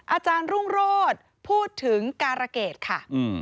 อาจารย์รุ้งโรศ์พูดถึงการะเกีรดค่ะ